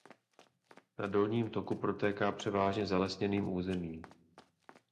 Na dolním toku protéká převážně zalesněným územím.